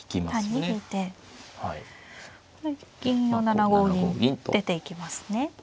これ銀を７五銀出ていきますね。